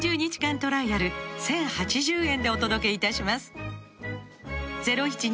トライアル１，０８０円でお届けいたします